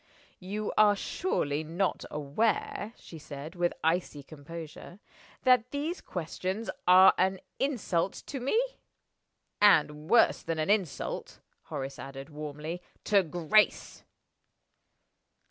"You are surely not aware," she said, with icy composure, "that these questions are an insult to Me?" "And worse than an insult," Horace added, warmly, "to Grace!"